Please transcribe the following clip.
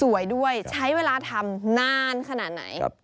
สวยด้วยใช้เวลาทำนานขนาดไหน